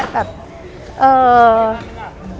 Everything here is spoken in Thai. แบบ